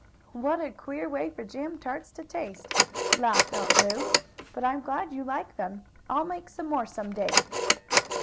"What a queer way for jam tarts to taste!" laughed Aunt Lu. "But I am glad you like them. I'll make some more some day."